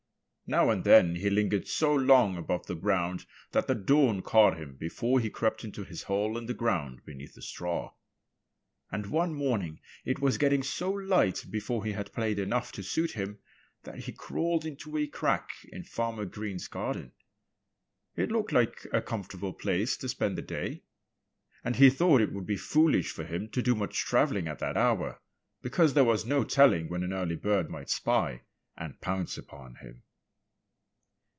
Now and then he lingered so long above the ground that the dawn caught him before he crept into his hole in the ground, beneath the straw. And one morning it was getting so light before he had played enough to suit him that he crawled into a crack in Farmer Green's garden. It looked like a comfortable place to spend the day. And he thought it would be foolish for him to do much travelling at that hour, because there was no telling when an early bird might spy and pounce upon him.